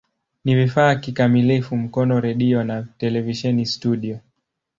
Ni vifaa kikamilifu Mkono redio na televisheni studio.